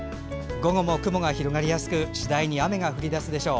午後も雲が広がりやすく次第に雨が降り出すでしょう。